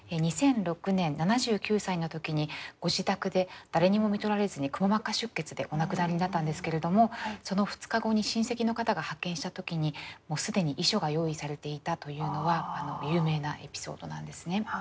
２００６年７９歳の時にご自宅で誰にもみとられずにくも膜下出血でお亡くなりになったんですけれどもその２日後に親戚の方が発見した時に既に遺書が用意されていたというのは有名なエピソードなんですね。